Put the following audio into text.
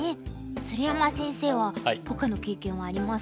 鶴山先生はポカの経験はありますか？